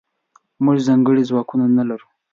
موږځنکړي ځواکونه نلرو